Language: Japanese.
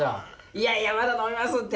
いやいやまだ飲めますって。